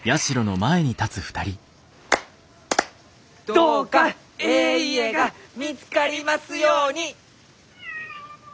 どうかえい家が見つかりますように！